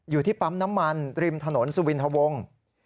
อยู่ที่ปั๊มน้ำมันริมถนนสุวินทะวง